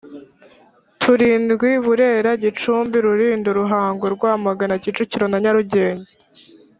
turindwi burera gicumbi rulindo ruhango rwamagana kicukiro na nyarugenge